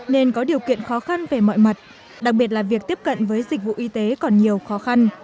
nên có điều kiện khó khăn về mọi mặt đặc biệt là việc tiếp cận với dịch vụ y tế còn nhiều khó khăn